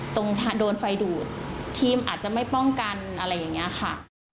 โดนไฟดูดทีมอาจจะไม่ป้องกันอะไรอย่างนี้ค่ะ